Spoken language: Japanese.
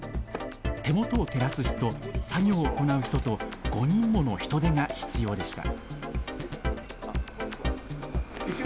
手元を照らす人、作業を行う人と５人もの人手が必要でした。